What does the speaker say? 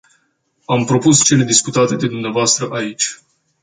Am propus cele discutate de dvs. aici.